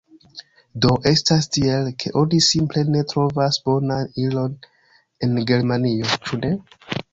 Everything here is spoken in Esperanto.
Do, estas tiel, ke oni simple ne trovas bonan ilon en Germanio, ĉu ne?